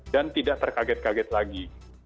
dan tidak terkaget kaget lagi